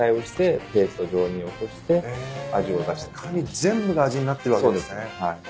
全部が味になってるわけですね。